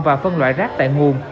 và phân loại rác tại nguồn